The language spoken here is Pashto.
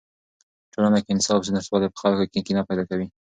په ټولنه کې د انصاف نشتوالی په خلکو کې کینه پیدا کوي.